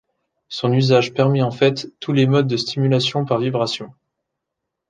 Son usage permet en fait tous les modes de stimulation par vibrations.